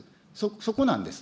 そこなんです。